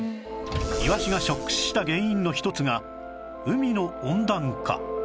イワシがショック死した原因の一つが海の温暖化